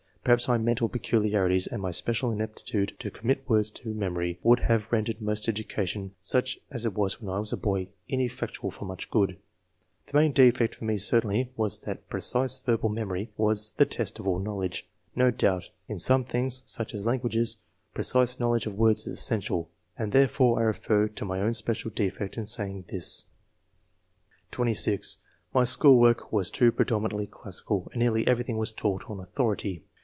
Perhaps my mental peculiarities and my special inaptitude to commit words to memory woidd have ren dered most education, such as it was when I was a boy, ineffectual for much good. The main defect for me certainly was that precise verbal 260 ENGLISH MEN OF SCIENCE. [chap. memory was the test of all knowledge. No doubt, in some things, such as languages, pre cise knowledge of words is essential, and there fore I refer to my own special defect in saying this/' (26) *^ My school work was too predominantly classical, and nearly everjiihing was taught on authority.